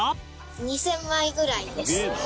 ２０００枚ぐらいです。